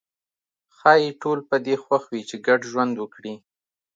ښايي ټول په دې خوښ وي چې ګډ ژوند وکړي.